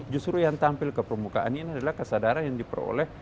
justru yang tampil ke permukaan ini adalah kesadaran yang diperoleh